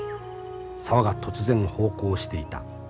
沢が突然咆哮していた。